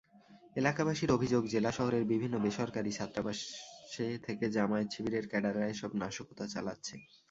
এলাকাবাসীর অভিযোগ, জেলা শহরের বিভিন্ন বেসরকারি ছাত্রাবাসে থেকে জামায়াত-শিবিরের ক্যাডাররা এসব নাশকতা চালাচ্ছে।